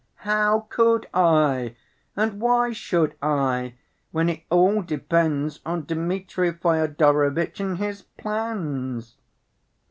"How could I?... And why should I, when it all depends on Dmitri Fyodorovitch and his plans?...